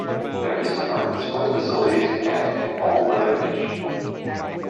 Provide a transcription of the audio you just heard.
There is a park with sports facilities and an all-weather pitch.